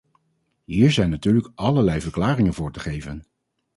Hier zijn natuurlijk allerlei verklaringen voor te geven.